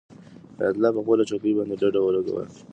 حیات الله په خپله چوکۍ باندې ډډه ولګوله.